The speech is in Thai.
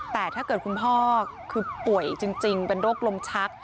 แต่ถ้าเกิดคุณพ่อคือป่วยจริงเป็นโรคลมชัก